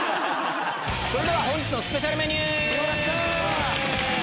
それでは本日のスペシャルメニュー。